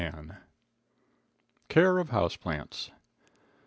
Care of House Plants.